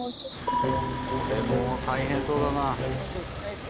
これも大変そうだな。